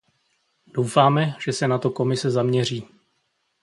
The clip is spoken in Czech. Doufáme, že se na to Komise zaměří.